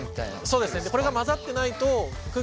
そうです。